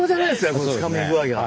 このつかみ具合が。